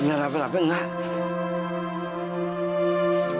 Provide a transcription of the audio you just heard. enggak nafih nafih enggak